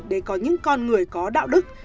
để có những con người có đạo đức